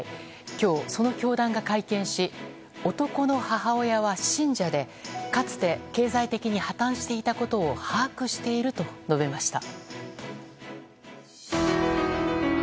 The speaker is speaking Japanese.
今日、その教団が会見し男の母親は信者でかつて経済的に破たんしていたことを把握していると述べました。